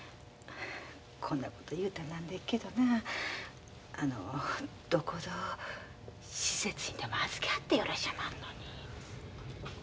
こんなこと言うたらなんでっけどなあのどこぞ施設にでも預けはったらよろしおまんのに。